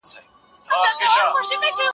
زه بايد لوبي وکړم.